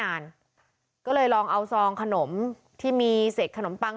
และก็คือว่าถึงแม้วันนี้จะพบรอยเท้าเสียแป้งจริงไหม